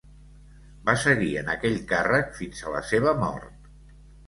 Va seguir en aquell càrrec fins a la seva mort.